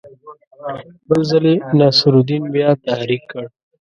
بل ځل یې نصرالدین بیا تحریک کړ.